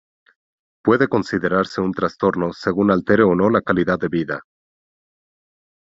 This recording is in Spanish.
Puede considerarse un trastorno según altere o no la calidad de vida.